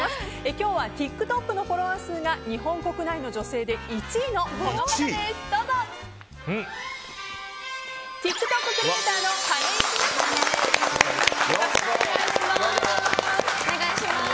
今日はＴｉｋＴｏｋのフォロワー数が日本国内の女性で１位のこの方です。